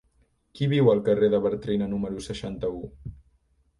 Qui viu al carrer de Bartrina número seixanta-u?